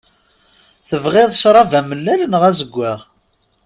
Tebɣiḍ crab amellal neɣ azeggaɣ?